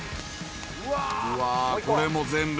うわー、これも全部？